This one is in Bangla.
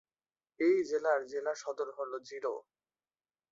এই জেলার জেলাসদর হল জিরো।